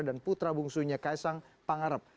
dan putra bungsunya kaisang pangarep